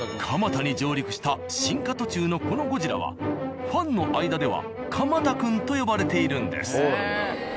蒲田に上陸した進化途中のこのゴジラはファンの間では「蒲田くん」と呼ばれているんです。